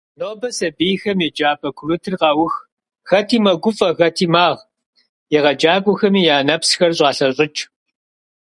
Нобэ сэбийхэм еджапӏэ курытыр къаух - хэти мэгуфӏэ, хэти магъ, егъэджакӏуэхэми я нэпсхэр щӏалъэщӏыкӏ.